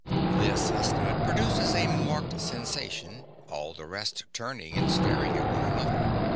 (_This estimate produces a marked sensation, all the rest turning and staring at one another.